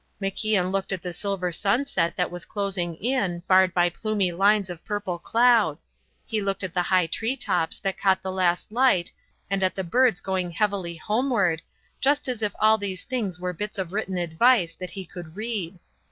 MacIan looked at the silver sunset that was closing in, barred by plumy lines of purple cloud; he looked at the high tree tops that caught the last light and at the birds going heavily homeward, just as if all these things were bits of written advice that he could read.